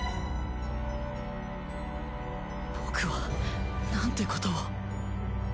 僕はなんてことを。